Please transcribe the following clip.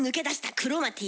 クロマティ！